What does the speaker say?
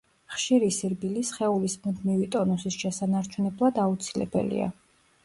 ხშირი სირბილი სხეულის მუდმივი ტონუსის შესანარჩუნებლად აუცილებელია.